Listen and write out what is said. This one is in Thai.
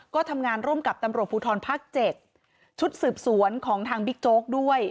ก็ทำงานร่วมกับตำรวจภูทรภาค๗ชุดสืบสวนของทางบิ๊กโจ๊กด้วย